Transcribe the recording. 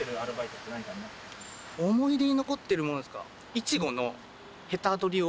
思い出に残ってるものですか？